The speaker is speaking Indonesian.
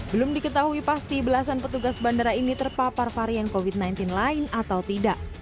belum diketahui pasti belasan petugas bandara ini terpapar varian covid sembilan belas lain atau tidak